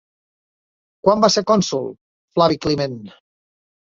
Quan va ser cònsol Flavi Climent?